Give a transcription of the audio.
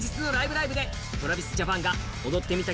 ライブ！」でＴｒａｖｉｓＪａｐａｎが「踊ってみた」